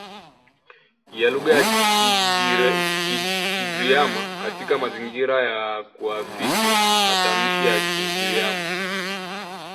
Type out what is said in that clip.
ya lugha ya Kigiryama katika mazingira ya kuafiki matamshi ya Kigiryama